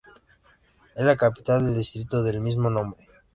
Es la capital del distrito del mismo nombre.